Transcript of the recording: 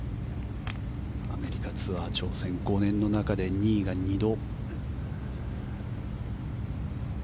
アメリカツアー挑戦５年の中で２位が２度。